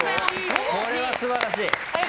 これは素晴らしい。